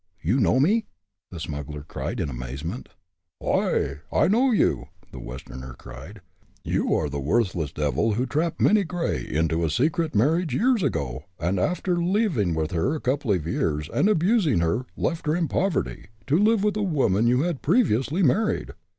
"You know me?" the smuggler cried, in amazement. "Ay! I know you!" the Westerner cried. "You are the worthless devil who trapped Minnie Gray into a secret marriage years ago, and after living with her a couple of years, and abusing her, left her in poverty, to live with a woman you had previously married."